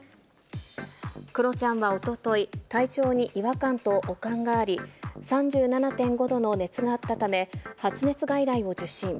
クロちゃんはおととい、体調に違和感と悪寒があり、３７．５度の熱があったため、発熱外来を受診。